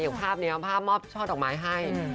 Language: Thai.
อย่างภาพนี้น่ะแล้วภาพมอบช่อดอกไม้ให้